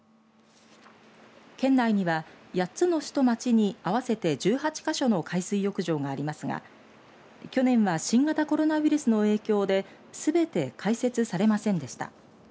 県内には８つの市と町に合わせて１８か所の海水浴場がありますが去年は新型コロナウイルスの影響ですべて開設されませんでした。